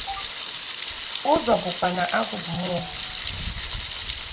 Ọzọ bụkwa na agwụ bụ mmụọ